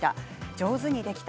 上手にできた。